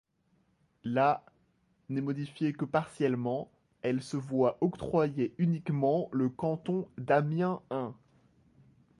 La n'est modifiée que partiellement, elle se voit octroyer uniquement le canton d'Amiens-I.